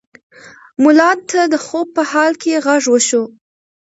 ملا ته د خوب په حال کې غږ وشو.